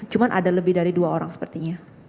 cuma ada lebih dari dua orang sepertinya